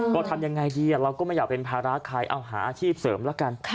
ก็ทำยังไงดีเราก็ไม่อยากเป็นภาระใครเอาหาอาชีพเสริมแล้วกัน